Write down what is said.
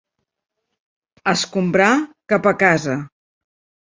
Escombrar cap a casa.